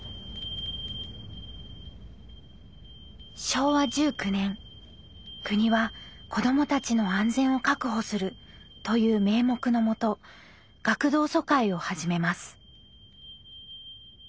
昭和１９年国は「子どもたちの安全を確保する」という名目のもと学童疎開を始めます。